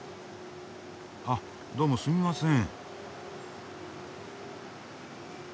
あどうもすみません。